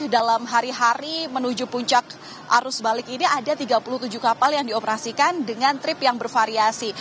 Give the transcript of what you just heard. dalam hari hari menuju puncak arus balik ini ada tiga puluh tujuh kapal yang dioperasikan dengan trip yang bervariasi